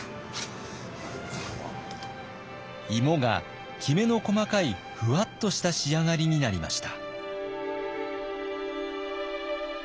芋がきめの細かいふわっとした仕上がりになりました。